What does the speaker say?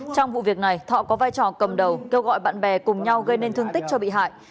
trong vụ việc này thọ có vai trò cầm đầu kêu gọi bạn bè cùng nhau gây nên thương tích cho bị hại